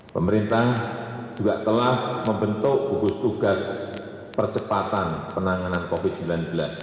pemerintah juga telah membentuk gugus tugas percepatan penanganan covid sembilan belas